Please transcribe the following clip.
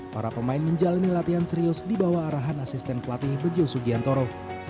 para pemain menjalani latihan serius di bawah arahan asisten pelatih bejo sugiantoro